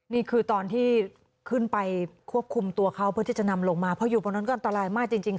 นี่คือตอนที่ขึ้นไปควบคุมตัวเขาเพื่อที่จะนำลงมาเพราะอยู่บนนั้นก็อันตรายมากจริง